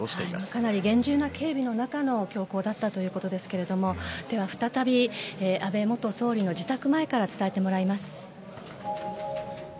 かなり厳重な警備の中の凶行だったということですがでは、再び安倍元総理の自宅前から伝えてもらいます。